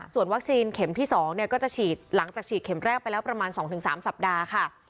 ส่วนวัคซีนเข็มที่๒ก็จะฉีดหลังจากฉีดเข็มแรกไปแล้วประมาณ๒๓สัปดาห์ค่ะ